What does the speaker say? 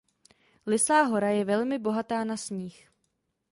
Lysá hora je velmi bohatá na sníh.